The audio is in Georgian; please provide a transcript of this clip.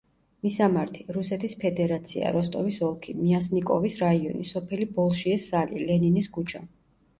მისამართი: რუსეთის ფედერაცია, როსტოვის ოლქი, მიასნიკოვის რაიონი, სოფელი ბოლშიე-სალი, ლენინის ქუჩა.